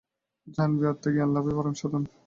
জানবি, আত্মজ্ঞানলাভই পরম সাধন।